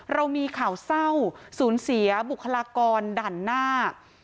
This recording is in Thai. เรามีข่าวเศร้าสูญเสียบุคลากรด่านหน้า